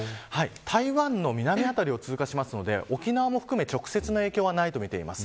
台湾の南辺りを通過しますので沖縄を含め、直接の影響はないとみています。